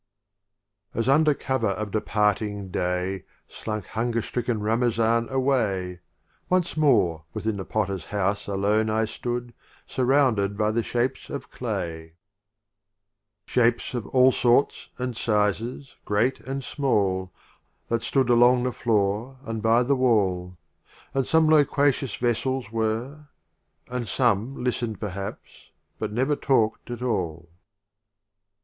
LXXXII. As under cover of departing Day Slunk hunger stricken Ramazan away, Once more within the Potter's house alone I stood, surrounded by the Shapes of Clay 3° LXXXIII. Shapes of all Sorts and Sizes, great R 'iyat r , n & of Omar and small, js:A^i» That stood along the floor and by the wall; And some loquacious Vessels were; and some Listen'd perhaps, but never talk'd at all. LXXXIV.